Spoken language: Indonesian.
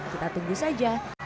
kita tunggu saja